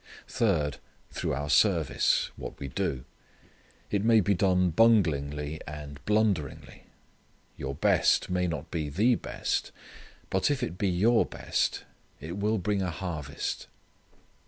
Third: through our service, what we do. It may be done bunglingly and blunderingly. Your best may not be the best, but if it be your best it will bring a harvest.